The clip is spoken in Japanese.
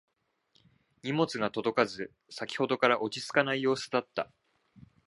荷物が届かず先ほどから落ち着かない様子だった